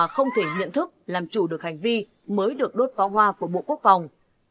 không thể nhận thức làm chủ được hành vi mới được đốt pháo hoa của bộ quốc phòng